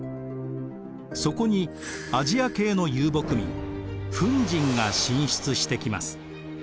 そこにアジア系の遊牧民フン人が進出してきます。